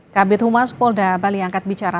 kabupaten humas polda baliangkat bicara